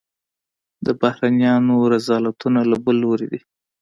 د بهرنیانو رذالتونه له بل لوري دي.